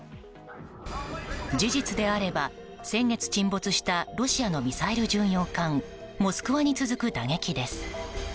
事実であれば先月沈没したロシアのミサイル巡洋艦「モスクワ」に続く打撃です。